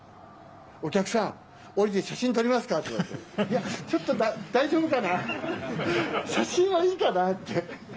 お客さん、降りて写真撮りますか？って言われて、いや、ちょっと大丈夫かな、写真はいいかなって。